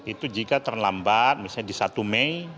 itu jika terlambat misalnya di satu mei